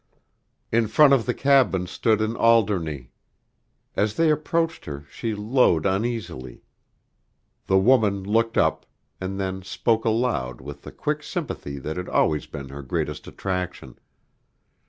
In front of the cabin stood an Alderney; as they approached her, she lowed uneasily. The woman looked up, and then spoke aloud with the quick sympathy that had always been her greatest attraction.